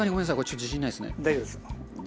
大丈夫ですよ。